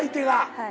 はい。